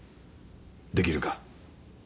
できるか？